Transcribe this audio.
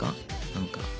何か。